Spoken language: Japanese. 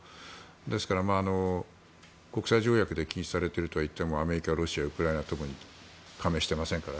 ですから、国際条約で禁止されているとはいってもアメリカ、ロシアウクライナともに加盟してませんから。